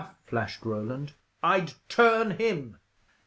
flashed Roland. "I'd turn him!"